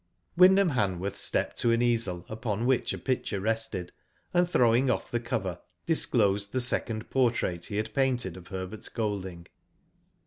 Wyndham Han worth stepped to an easel upon which a picture rested, and throwing off the cover, disclosed the second portrait he had painted of Herbert Golding.